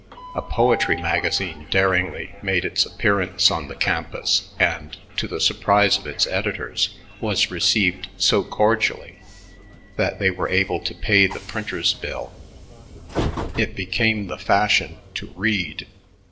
A poetry magazine daringly made its appearance on the campus and, to the surprise of its editors, was received so cordially that they were able to pay the printer's bill. It became the fashion to read.